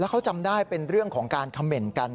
เขาจำได้เป็นเรื่องของการเขม่นกัน